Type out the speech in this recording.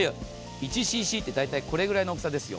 １ｃｃって大体これくらいの大きさですよ。